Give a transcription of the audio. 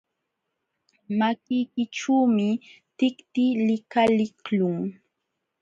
Makiykićhuumi tikti likaliqlun.